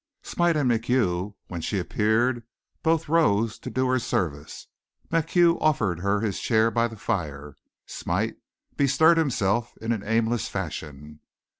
Smite and MacHugh, when she appeared, both rose to do her service. MacHugh offered her his chair by the fire. Smite bestirred himself in an aimless fashion.